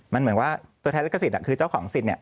มันเหมือนว่าตัวแทนลิขสิทธิ์คือเจ้าของสิทธิ์